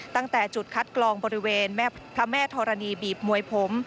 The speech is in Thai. ตั้งแต่จุดคัดกรองบริเวณพระแม่ธรณีบีบมวยผม